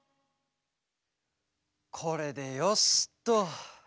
これでよしっと。